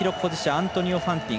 アントニオ・ファンティン。